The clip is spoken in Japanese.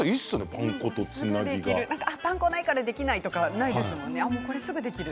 パン粉がないからできないとかいうことがないですよね。